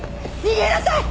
逃げなさい！